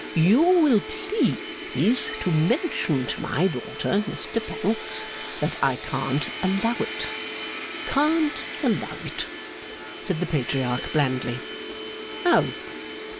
'You will please to mention to my daughter, Mr Pancks, that I can't allow it, can't allow it,' said the Patriarch blandly. 'Oh!